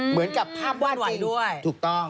เหมือนกับภาพว่าจริงถูกต้อง